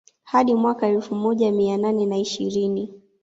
Hadi mwaka wa elfu moja mia nane na ishirini